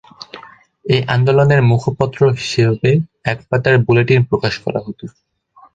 এই আন্দোলনের মুখপত্র হিসাবে এক পাতার বুলেটিন প্রকাশ করা হতো।